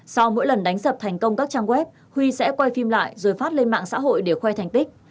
sau mỗi lần đánh sập thành công các trang web huy sẽ quay phim lại rồi phát lên mạng xã hội để khoe thành tích